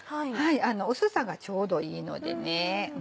薄さがちょうどいいのでね。